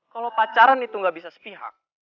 kalo pacaran itu gak bisa sepihak